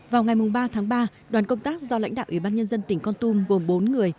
vào ngày ba tháng ba đoàn công tác do lãnh đạo ủy ban nhân dân tỉnh con tum gồm bốn người